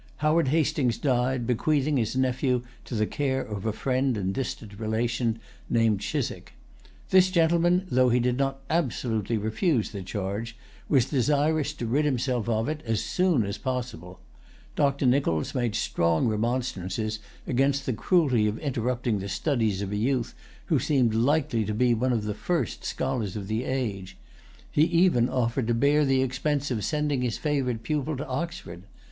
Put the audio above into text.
Howard Hastings died, bequeathing his nephew to the care of a friend and distant relation, named Chiswick. This gentleman, though he did not absolutely refuse the charge, was desirous to rid himself of it as soon as possible. Dr. Nichols made strong remonstrances against the cruelty of interrupting the studies of a youth who seemed likely to be one of the first scholars of the age. He even[Pg 119] offered to bear the expense of sending his favorite pupil to Oxford.